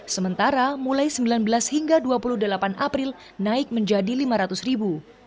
sementara mulai sembilan belas hingga dua puluh delapan april naik menjadi lima ratus ribu